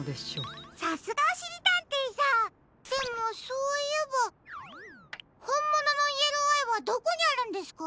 さすがおしりたんていさんでもそういえばほんもののイエローアイはどこにあるんですか？